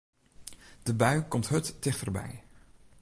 De bui komt hurd tichterby.